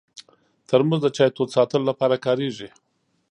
ترموز د چای تود ساتلو لپاره کارېږي.